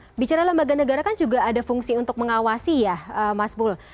nah bicara lembaga negara kan juga ada fungsi untuk mengawasi ya mas bul